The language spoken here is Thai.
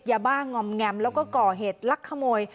อย่าบ้างอมแงมม์แล้วก็เกาะเหตุรักษ์ขโมย